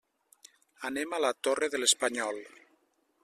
Anem a la Torre de l'Espanyol.